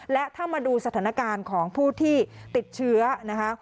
และถ้ามาดูสถานการณ์ของผู้ที่ติดเชื้อนะคะ